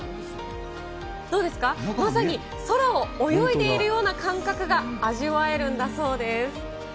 どうですか、まさに空を泳いでいるような感覚が味わえるんだそうです。